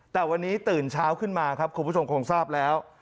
แต่วันนี้ตื่นเช้าขึ้นมาครับคุณผู้ชมคงทราบแล้ว